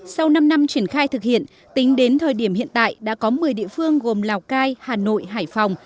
sau năm năm triển khai thực hiện tính đến thời điểm hiện tại đã có một mươi địa phương gồm lào cai hà nội hải phòng